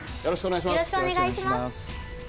よろしくお願いします。